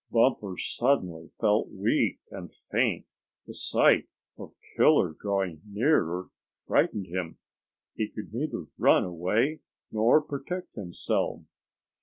Bumper suddenly felt weak and faint. The sight of Killer drawing nearer frightened him. He could neither run away nor protect himself.